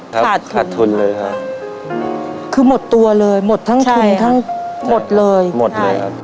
ขาดขาดทุนเลยค่ะคือหมดตัวเลยหมดทั้งทุนทั้งหมดเลยหมดเลยครับ